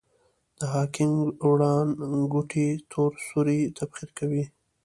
د هاکینګ وړانګوټې تور سوري تبخیر کوي.